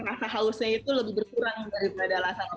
rasa hausnya itu lebih berkurang daripada lainnya